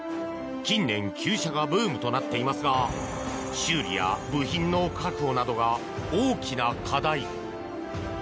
近年、旧車がブームとなっていますが修理や部品の確保などが大きな課題。